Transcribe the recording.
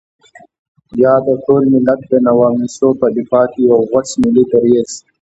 يا د ټول ملت د نواميسو په دفاع کې يو غوڅ ملي دريځ.